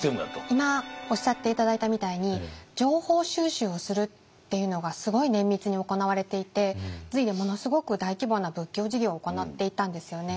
今おっしゃって頂いたみたいに情報収集をするっていうのがすごい綿密に行われていて隋でものすごく大規模な仏教事業を行っていたんですよね。